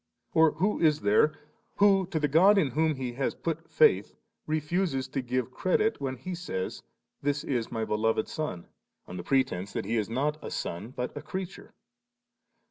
or who is there, who to the God in whom he has put fiuth, refuses to give credit, when He nAjBf * This is My belov^ Son V on the pre tence that He is not a Son, but a creature?